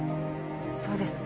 そうですね。